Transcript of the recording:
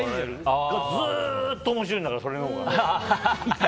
ずっと面白いんだからそのほうが。